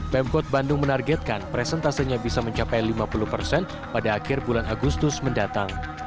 pemkot bandung menargetkan presentasenya bisa mencapai lima puluh persen pada akhir bulan agustus mendatang